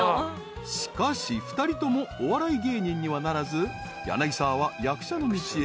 ［しかし２人ともお笑い芸人にはならず柳沢は役者の道へ］